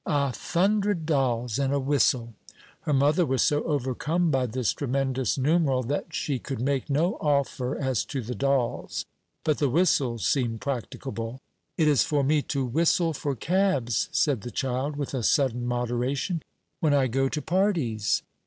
A thundred dolls and a whistle!" Her mother was so overcome by this tremendous numeral, that she could make no offer as to the dolls. But the whistle seemed practicable. "It is for me to whistle for cabs," said the child, with a sudden moderation, "when I go to parties."